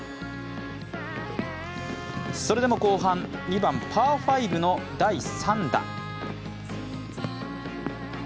それでも後半、２番・パー５の第３打。